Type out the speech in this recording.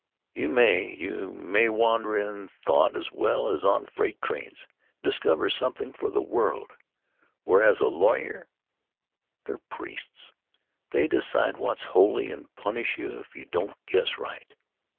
You may, you may wander in thought as well as on freight trains, and discover something for the world. Whereas a lawyer——They're priests. They decide what's holy and punish you if you don't guess right.